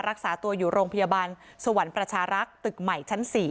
รักษาตัวอยู่โรงพยาบาลสวรรค์ประชารักษ์ตึกใหม่ชั้น๔